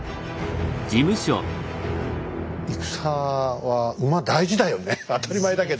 戦は馬大事だよね当たり前だけど。